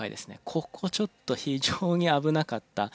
ここちょっと非常に危なかった。